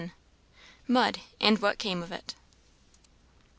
Mud and what came of it.